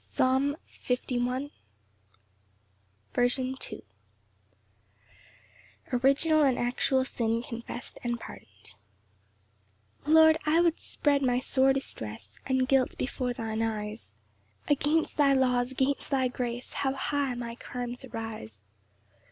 Psalm 51:4. 3 13. First Part. C. M. Original and actual sin confessed and pardoned. 1 Lord, I would spread my sore distress And guilt before thine eyes; Against thy laws, against thy grace, How high my crimes arise.